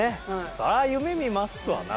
そらあ夢みますわな